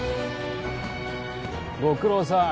ご苦労さん。